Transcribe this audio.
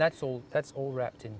kita bisa melakukan ini